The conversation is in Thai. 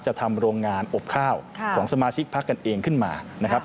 ทำโรงงานอบข้าวของสมาชิกพักกันเองขึ้นมานะครับ